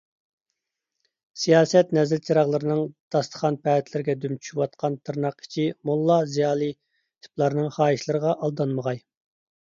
سىياسەت نەزىر -چىراغلىرىنىڭ داستىخان - پەتىلىرىگە دۈم چۈشۈۋاتقان تىرناق ئىچى «موللا - زىيالىي» تىپلارنىڭ خاھىشلىرىغا ئالدانمىغاي.